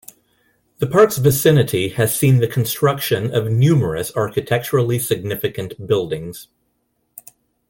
The park's vicinity has seen the construction of numerous architecturally significant buildings.